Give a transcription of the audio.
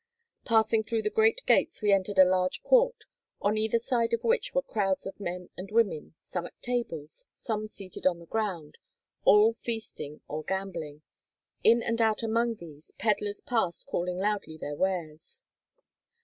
Passing through the great gates we entered a large court, on either side of which were crowds of men and women, some at tables, some seated on the ground, all feasting or gambling. In and out among these, peddlers passed calling loudly their wares.